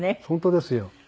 本当ですよ。